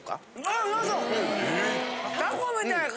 タコみたい。